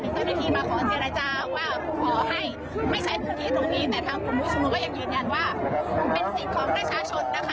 แต่ทางกลุ่มผู้ชมนมก็ยยืนยันว่าเป็นศิษย์ของราชาชนนะคะ